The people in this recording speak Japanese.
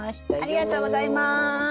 ありがとうございます。